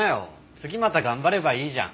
次また頑張ればいいじゃん。